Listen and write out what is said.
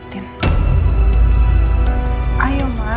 tidak ada apa apa papa